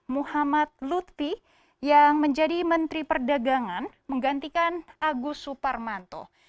muhammad lutfi yang menjadi menteri perdagangan menggantikan agus suparmanto